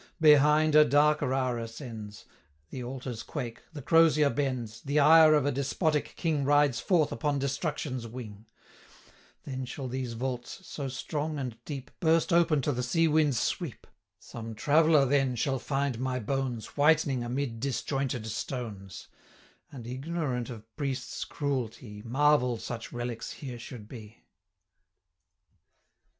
Behind, a darker hour ascends! 575 The altars quake, the crosier bends, The ire of a despotic King Rides forth upon destruction's wing; Then shall these vaults, so strong and deep, Burst open to the sea winds' sweep; 580 Some traveller then shall find my bones Whitening amid disjointed stones, And, ignorant of priests' cruelty, Marvel such relics here should be.'